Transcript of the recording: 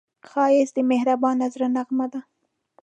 ښایست د مهربان زړه نغمه ده